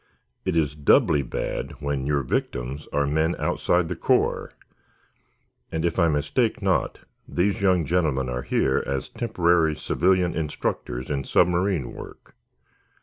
It is doubly bad when your victims are men outside the corps. And, if I mistake not, these young gentlemen are here as temporary civilian instructors in submarine work."